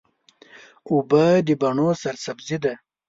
اوبه د بڼو سرسبزي ده.